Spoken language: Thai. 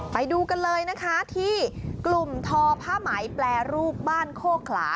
ไปดูกันเลยนะคะที่กลุ่มทอผ้าไหมแปรรูปบ้านโคขลา